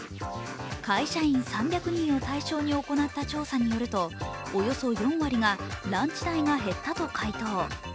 会社員３００人を対象に行った調査によるとおよそ４割がランチ代が減ったと回答。